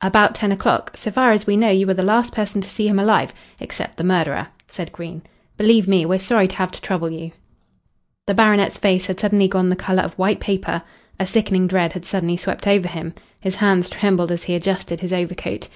"About ten o'clock. So far as we know you were the last person to see him alive except the murderer," said Green. "Believe me, we're sorry to have to trouble you." The baronet's face had suddenly gone the colour of white paper. A sickening dread had suddenly swept over him. His hands trembled as he adjusted his overcoat.